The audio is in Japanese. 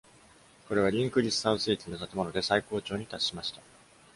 これは Llynclys South 駅の建物で最高潮に達しました。